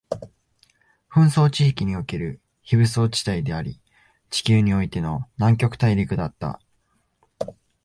紛争地域における非武装地帯であり、地球においての南極大陸だった